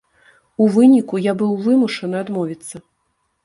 У выніку я быў вымушаны адмовіцца.